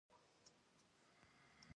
هغوی د خپل هیواد د سرحد ساتنه کوي